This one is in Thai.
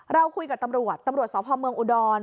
เราคุยกับตำรวจตำรวจสพเมืองอุดร